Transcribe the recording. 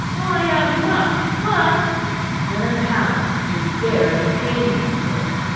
"I have not, but " "Then how do you dare detain me, sir?"